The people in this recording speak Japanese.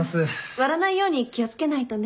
割らないように気を付けないとね。